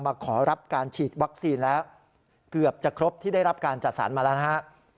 ขอรับการฉีดวัคซีนแล้วเกือบจะครบที่ได้รับการจัดสรรมาแล้วนะฮะ